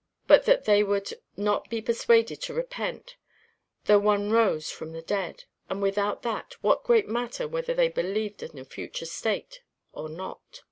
] but that they would not be persuaded to repent, though one rose from the dead; and without that, what great matter whether they believed in a future state or not?